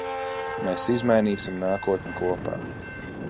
Mēs izmainīsim nākotni kopā.